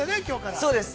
◆そうです。